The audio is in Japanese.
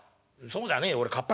そうじゃねえ。